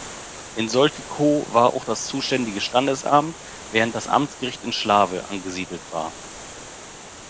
In Soltikow war auch das zuständige Standesamt, während das Amtsgericht in Schlawe angesiedelt war.